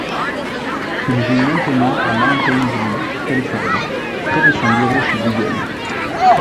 Il vit maintenant à Mountain View, Californie, près de son bureau chez Google.